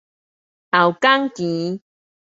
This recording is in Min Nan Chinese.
後港墘